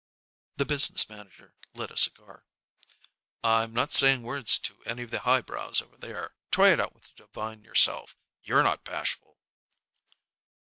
The business manager lit a cigar. "I'm not saying words to any of the high brows over there. Try it out with Devine yourself. You're not bashful."